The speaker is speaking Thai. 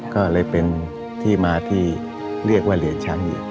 ก็เลยเป็นที่มาที่เรียกว่าเหรียญช้าง